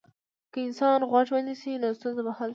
که انسان غوږ ونیسي، نو ستونزه به حل شي.